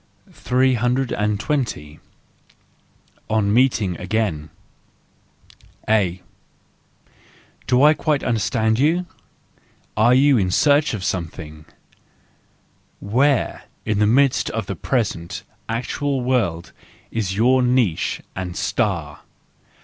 320. On Meeting Again .—A : Do I quite understand you? You are in search of something? Where , in the midst of the present, actual world, is your niche and star